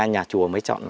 nhà chùa mới chọn